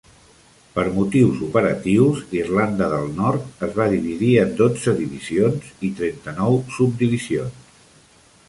Per motius operatius, Irlanda del Nord es va dividir en dotze Divisions i trenta-nou Subdivisions.